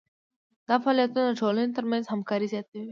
دا فعالیتونه د ټولنې ترمنځ همکاري زیاتوي.